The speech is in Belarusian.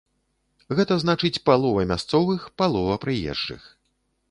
Гэта значыць палова мясцовых, палова прыезджых.